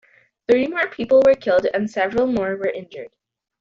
Three more people were killed and several more were injured.